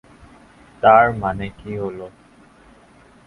তার মানে কী হল?